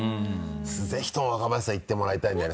ぜひとも若林さん行ってもらいたいんだよね。